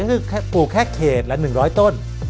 ก็คือปลูกแค่เขตละ๑๐๐ต้น